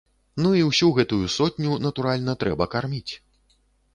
Ну і ўсю гэтую сотню, натуральна, трэба карміць.